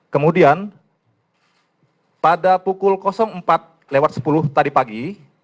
kemudian pada pukul empat lewat sepuluh tadi pagi